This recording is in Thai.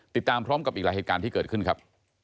ติดตามพร้อมกับอีกหลายเหตุการณ์ที่เกิดขึ้นครับ